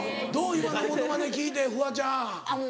今のモノマネ聞いてフワちゃん。